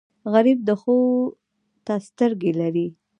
غریب د ښو ته سترګې لري